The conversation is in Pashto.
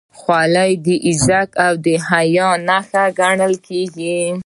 خولۍ د غیرت او حیا نښه ګڼل کېږي.